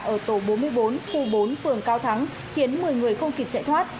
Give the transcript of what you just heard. ở tổ bốn mươi bốn khu bốn phường cao thắng khiến một mươi người không kịp chạy thoát